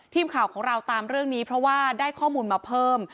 ทีมข่าวของเราตามเรื่องนี้เพราะว่าได้ข้อมูลมาเพิ่ม